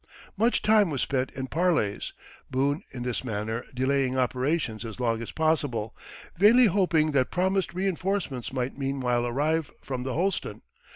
Much time was spent in parleys, Boone in this manner delaying operations as long as possible, vainly hoping that promised reenforcements might meanwhile arrive from the Holston.